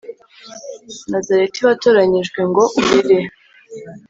nazareti, waratoranyijwe, ngo urere